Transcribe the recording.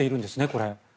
これ。